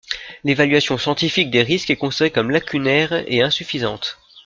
L'évaluation scientifique des risques est considérée comme lacunaire et insuffisante.